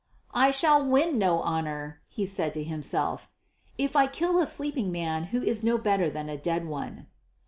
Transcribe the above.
"I shall win no honour," he said to himself, "if I kill a sleeping man who is no better than a dead one."